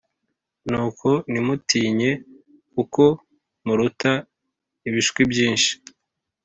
Nuko ntimutinye kuko muruta ibishwi byinshi